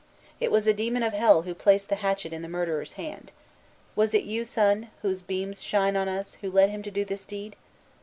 It was a demon of Hell who placed the hatchet in the murderer's hand. Was it you, Sun, whose beams shine on us, who led him to do this deed?